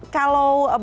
kalau bang alfie